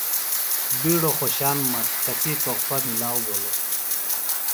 بیڈوۡ خوشان مہ کسی تحفہ مِلاؤ بِھلوۡ